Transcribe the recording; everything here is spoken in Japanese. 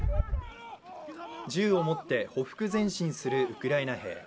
銃を持ってほふく前進するウクライナ兵。